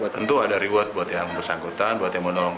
tentu ada reward buat yang bersangkutan buat yang menolong